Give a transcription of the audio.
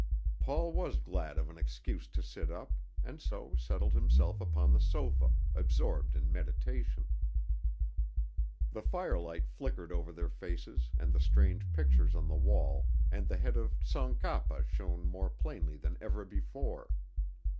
Paul was glad of an excuse to sit up, and so settled himself upon the sofa, absorbed in meditation. The firelight flickered over their faces and the strange pictures on the wall, and the head of Tsong Kapa shone more plainly than ever before.